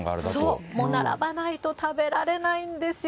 そう、もう並ばないと食べられないんですよ。